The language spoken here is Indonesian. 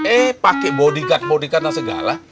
eh pake bodyguard bodyguard dan segala